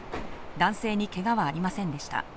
男性にけがはありませんでした。